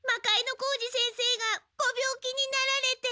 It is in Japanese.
小路先生がご病気になられて。